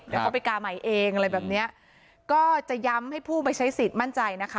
เดี๋ยวเขาไปกาใหม่เองอะไรแบบเนี้ยก็จะย้ำให้ผู้ไปใช้สิทธิ์มั่นใจนะคะ